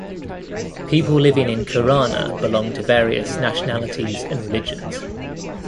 People living in Kurana belong to various nationalities and religions.